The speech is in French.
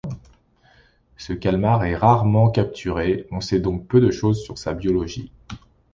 Ce calmar est rarement capturé, on sait donc peu de chose sur sa biologie.